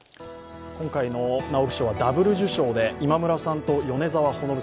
今回の直木賞はダブル受賞で今村さんと米澤穂